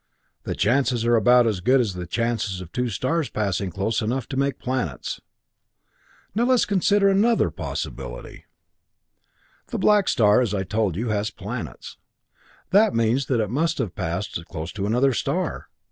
The chances are about as good as the chances of two stars passing close enough to make planets. "Now let us consider another possibility. "The Black Star, as I told you, has planets. That means that it must have thus passed close to another star.